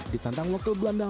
di tantang lokel belanda